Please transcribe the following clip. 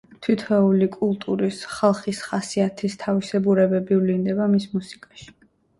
თითოეული კულტურის, ხალხის ხასიათის თავისებურებები ვლინდება მის მუსიკაში.